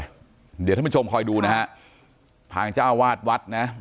เดี๋ยวท่านผู้ชมคอยดูนะฮะทางเจ้าวาดวัดนะ